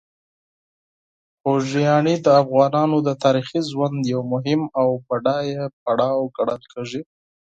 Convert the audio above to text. خوږیاڼي د افغانانو د تاریخي ژوند یو مهم او بډایه پړاو ګڼل کېږي.